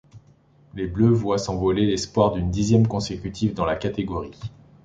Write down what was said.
Les Bleues voient s'envoler l'espoir d'une dixième consécutive dans la catégorie.